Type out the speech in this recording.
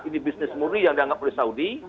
ini bisnis murni yang dianggap oleh saudi